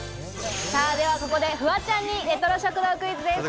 ではここで、フワちゃんにレトロ食堂クイズです。